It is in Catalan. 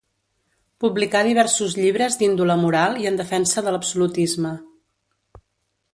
Publicà diversos llibres d'índole moral i en defensa de l'absolutisme.